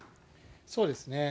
そうですね。